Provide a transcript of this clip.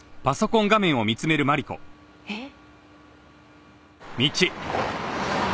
えっ？